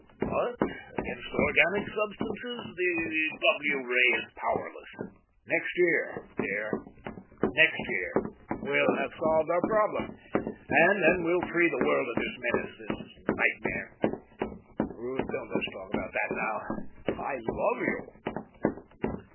But against organic substances the W ray is powerless. "Next year, dear next year we'll have solved our problem, and then we'll free the world of this menace, this nightmare. Ruth don't let's talk about that now. I love you!"